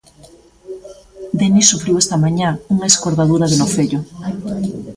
Denis sufriu esta mañá unha escordadura de nocello.